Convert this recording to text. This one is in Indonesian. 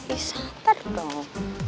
ih santar dong